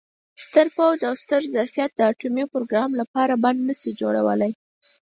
ستر پوځ او ستر ظرفیت د اټومي پروګرام لپاره بند نه شي جوړولای.